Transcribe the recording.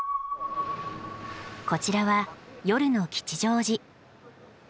こちらは夜の吉祥寺。